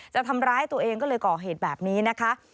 จะทำร้ายตัวเองก็เลยก่อเหตุแบบนี้นะคะ